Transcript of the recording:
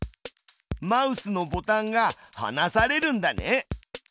マウスのボタンがはなされるんだね。